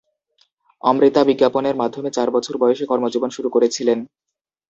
অমৃতা বিজ্ঞাপনের মাধ্যমে চার বছর বয়সে কর্মজীবন শুরু করেছিলেন।